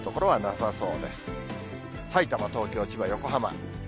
さいたま、東京、千葉、横浜。